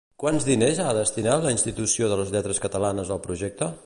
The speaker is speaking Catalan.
Quants diners ha destinat la Institució de les Lletres Catalanes al projecte?